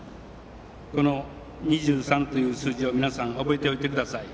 この２３という数字を皆さん覚えておいてください。